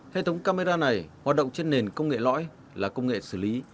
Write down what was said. hệ thống camera này hoạt động trên nền công nghệ lõi là công nghệ xử lý